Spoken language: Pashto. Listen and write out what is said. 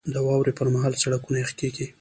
• د واورې پر مهال سړکونه یخ کېږي.